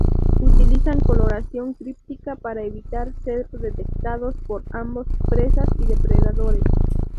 Utilizan coloración críptica para evitar ser detectados por ambos presas y depredadores.